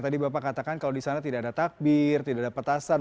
tadi bapak katakan kalau di sana tidak ada takbir tidak ada petasan